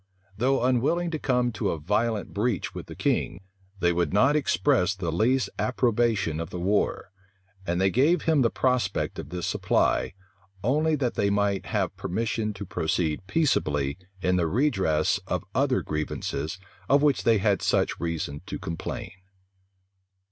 Though unwilling to come to a violent breach with the king, they would not express the least approbation of the war; and they gave him the prospect of this supply, only that they might have permission to proceed peaceably in the redress of the other grievances of which they had such reason to complain.